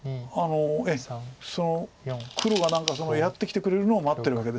ええ黒が何かやってきてくれるのを待ってるわけです。